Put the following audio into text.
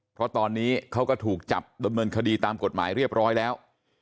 เพราะตอนนี้เขาก็ถูกจับดำเนินคดีตามกฎหมายเรียบร้อยแล้ว